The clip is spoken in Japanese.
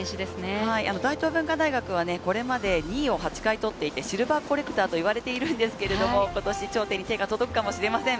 大東文化大学はこれまで２位を８回取っていて、シルバーコレクターと言われているんですけれども、ことし頂点に手が届くかもしれません。